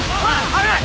危ない！